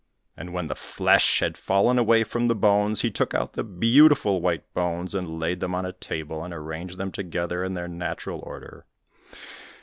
And when the flesh had fallen away from the bones, he took out the beautiful white bones, and laid them on a table, and arranged them together in their natural order.